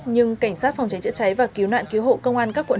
nhưng cảnh sát phòng cháy chữa cháy và cứu nạn cứu hộ công an các quận